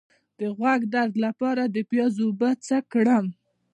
د غوږ درد لپاره د پیاز اوبه څه کړم؟